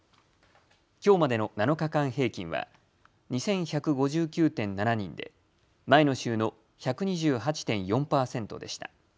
きょうまでの７日間平均は２１５９．７人で前の週の１２８．４％でした。